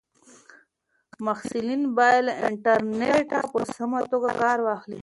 محصلین باید له انټرنیټه په سمه توګه کار واخلي.